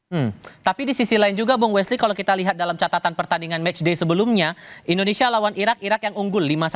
hmm tapi di sisi lain juga bung wesli kalau kita lihat dalam catatan pertandingan matchday sebelumnya indonesia lawan irak irak yang unggul lima satu